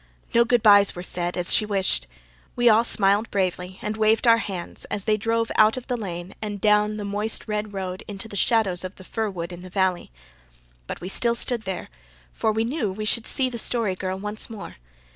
No good byes were said, as she wished. We all smiled bravely and waved our hands as they drove out of the lane and down the moist red road into the shadows of the fir wood in the valley. But we still stood there, for we knew we should see the Story Girl once more.